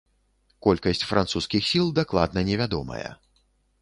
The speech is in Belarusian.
Колькасць французскіх сіл дакладна невядомая.